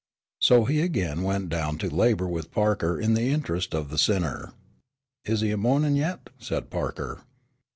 So he again went down to labor with Parker in the interest of the sinner. "Is he mou'nin' yit?" said Parker.